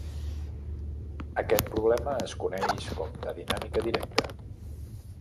Aquest problema es coneix com de dinàmica directa.